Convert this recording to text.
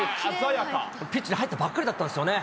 ピッチに入ったばっかりだったんですよね。